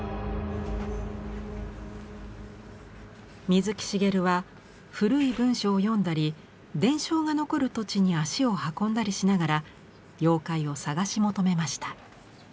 水木しげるは古い文書を読んだり伝承が残る土地に足を運んだりしながら妖怪を探し求めました。